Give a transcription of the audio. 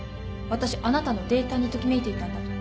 私あなたのデータにときめいていたんだと。